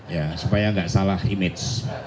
ya supaya nggak salah image